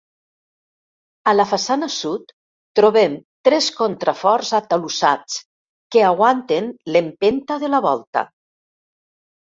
A la façana sud trobem tres contraforts atalussats que aguanten l'empenta de la volta.